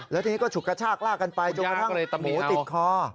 แล้วทีนี้ก็ฉุกกระชากลากกันไปจนกระทั่งหมูติดคอ